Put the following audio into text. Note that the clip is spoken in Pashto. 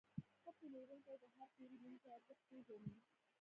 ښه پلورونکی د هر پیرودونکي ارزښت پېژني.